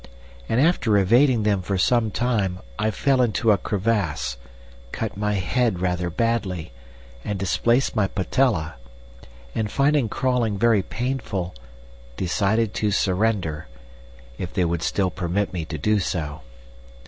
And after evading them for some time I fell into a crevasse, cut my head rather badly, and displaced my patella, and, finding crawling very painful, decided to surrender—if they would still permit me to do so.